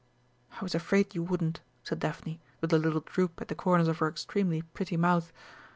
"I was afraid you wouldn't," said Daphne, with a little droop at the corners of her extremely pretty mouth.